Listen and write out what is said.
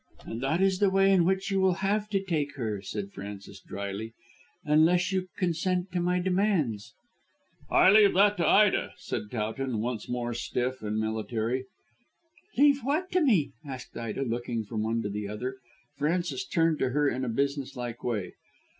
"And that is the way in which you will have to take her," said Frances drily, "unless you consent to my demands." "I leave that to Ida," said Towton, once more stiff and military. "Leave what to me?" asked Ida, looking from one to the other. Frances turned to her in a business like way.